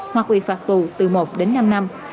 hoặc bị phạt tù từ một đến năm năm